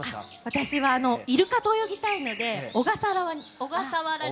私はイルカと泳ぎたいので小笠原に行きたいです。